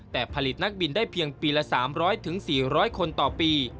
แต่ผลิตนักบินได้เพียงปีละ๓๐๐๔๐๐คนต่อปี